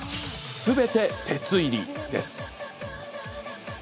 すべて鉄入りです。